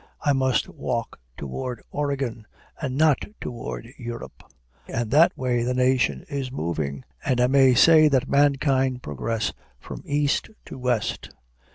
I must walk toward Oregon, and not toward Europe. And that way the nation is moving, and I may say that mankind progress from east to west.